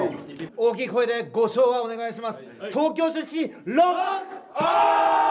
大きい声でご唱和お願いします。